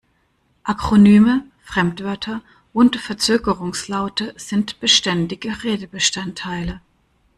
Akronyme, Fremdwörter und Verzögerungslaute sind beständige Redebestandteile.